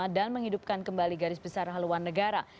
dan menghidupkan kembali garis besar haluan negara